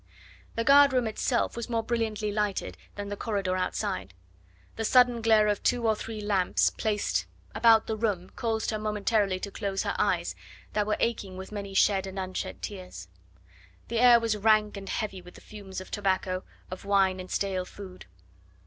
The guard room itself was more brilliantly lighted than the corridor outside. The sudden glare of two or three lamps placed about the room caused her momentarily to close her eyes that were aching with many shed and unshed tears. The air was rank and heavy with the fumes of tobacco, of wine and stale food.